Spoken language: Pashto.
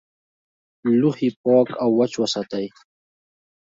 لوښي پاک او وچ وساتئ.